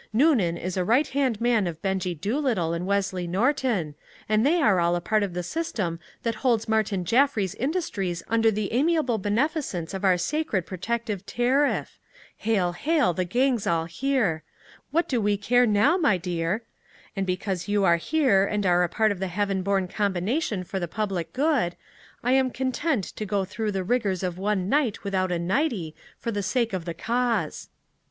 Noonan is a right hand man of Benjie Doolittle and Wesley Norton, and they are all a part of the system that holds Martin Jaffry's industries under the amiable beneficence of our sacred protective tariff! Hail, hail, the gang's all here what do we care now, my dear? And because you are here and are part of the heaven born combination for the public good, I am content to go through the rigors of one night without a nightie for the sake of the cause!"